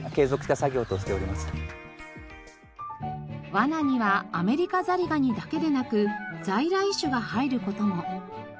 罠にはアメリカザリガニだけでなく在来種が入る事も。